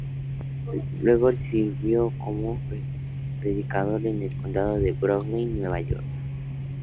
Luego sirvió como predicador en el condado de Brooklyn, New York.